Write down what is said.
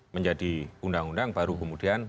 menjadi undang undang baru kemudian